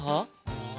え？